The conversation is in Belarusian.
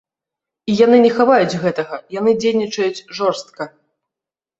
І яны не хаваюць гэтага, яны дзейнічаюць жорстка.